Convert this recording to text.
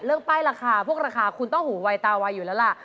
เลิกป้ายราคาพวกราคาคุณต้องหูวัยตาวัยอยู่แล้วล่ะ